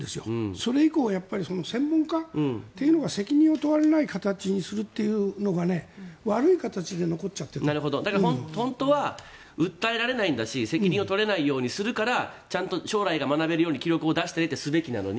それ以降、専門家っていうのが責任を問われない形にするっていうのが本当は訴えられないんだし責任を取れないようにするからちゃんと将来が学べるように記録を出したりってすべきなのに。